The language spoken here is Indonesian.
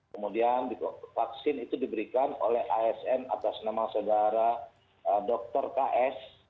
kemudian vaksin itu diberikan oleh asn atas nama saudara dr ks